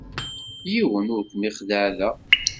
Yiwen ur kem-ixeddeε da.